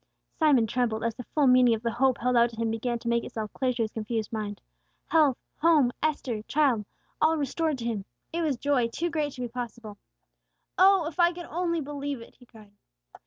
Simon trembled, as the full meaning of the hope held out to him began to make itself clear to his confused mind: health, home, Esther, child, all restored to him. It was joy too great to be possible. "Oh, if I could only believe it!" he cried.